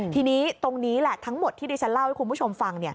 ทีนี้ตรงนี้แหละทั้งหมดที่ดิฉันเล่าให้คุณผู้ชมฟัง